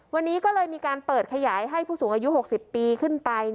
วันนี้ก็เลยมีการเปิดขยายให้ผู้สูงอายุ๖๐ปีขึ้นไป